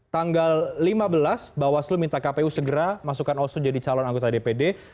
tanggal lima belas bawaslu minta kpu segera masukkan oso jadi calon anggota dpd